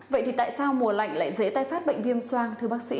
vậy thì tại sao mùa lạnh lại dễ tay phát bệnh viêm xoang